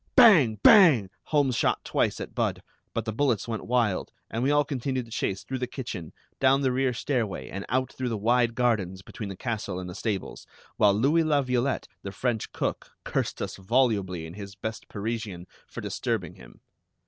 Bang! Bang! Holmes shot twice at Budd, but the bullets went wild, and we all continued the chase through the kitchen, down the rear stairway, and out through the wide gardens between the castle and the stables, while Louis La Violette, the French cook, cursed us volubly in his best Parisian for disturbing him.